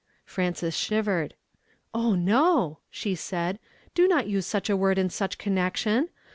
P'rances shivered. "Oh no!" she said, "Do not nse such a Avord in such connection.